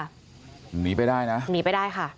หนีไปได้นะ